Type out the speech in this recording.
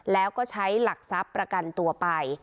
แล้วก็ใช้หลักทรัพย์ประกันตัวไป